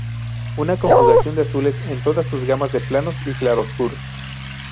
Una conjugación de azules en todas sus gamas de planos y claroscuros.